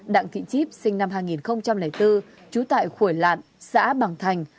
đặng thị chíp sinh năm hai nghìn bốn chú tại khuổi lạn xã bằng thành